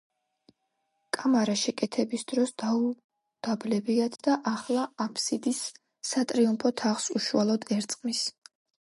კამარა შეკეთების დროს დაუდაბლებიათ და ახლა აფსიდის სატრიუმფო თაღს უშუალოდ ერწყმის.